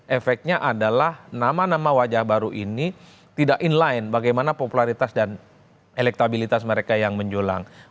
efeknya adalah nama nama wajah baru ini tidak inline bagaimana popularitas dan elektabilitas mereka yang menjulang